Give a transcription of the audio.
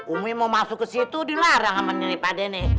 umi mau masuk ke situ dilarang sama niri pade nih